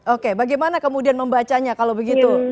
oke bagaimana kemudian membacanya kalau begitu